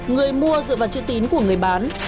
người mua dựa vào chữ tín của người bán